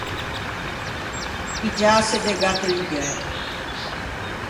Piggiâse de gatte ligæ.